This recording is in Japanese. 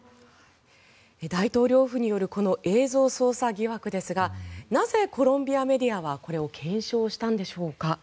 大統領府によるこの映像操作疑惑ですがなぜ、コロンビアメディアはこれを検証したんでしょうか。